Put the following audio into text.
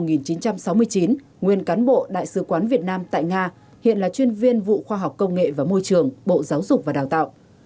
nguyên cán bộ đại sứ quán việt nam tại nga hiện là chuyên viên vụ khoa học công nghệ và môi trường bộ giáo dục và đào tạo